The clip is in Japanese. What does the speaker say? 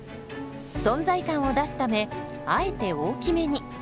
存在感を出すためあえて大きめに。